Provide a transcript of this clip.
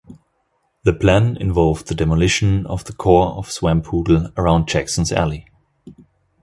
The plan involved the demolition of the core of Swampoodle, around Jackson's Alley.